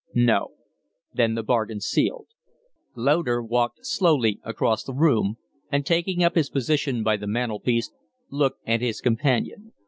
"No." "Then the bargain's sealed." Loder walked slowly across the room, and, taking up his position by the mantel piece, looked at his companion.